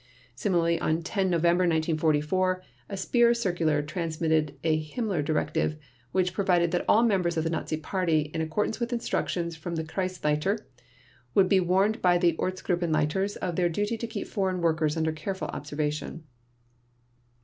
Similarly on 10 November 1944 a Speer circular transmitted a Himmler directive which provided that all members of the Nazi Party, in accordance with instructions from the Kreisleiter, would be warned by the Ortsgruppenleiters of their duty to keep foreign workers under careful observation.